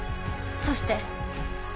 そして。